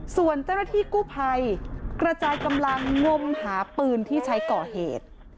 ส่วนเจ้าหน้าที่กู้ภัยกระจายกำลังงมหาปืนที่ใช้ก่อเหตุ